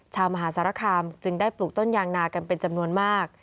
มหาสารคามจึงได้ปลูกต้นยางนากันเป็นจำนวนมาก